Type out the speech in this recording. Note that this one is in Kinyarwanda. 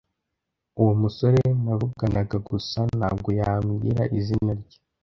Uwo musore navuganaga gusa ntabwo yambwira izina rye.